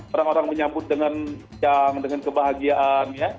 orang orang menyambut dengan kebahagiaan ya